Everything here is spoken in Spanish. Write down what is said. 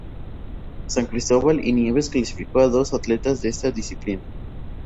San Cristóbal y Nieves clasificó a dos atletas en esta disciplina.